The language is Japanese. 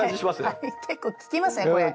結構効きますねこれ。